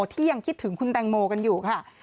ที่ยังคิดถึงคุณแตงโมกันอยู่ค่ะ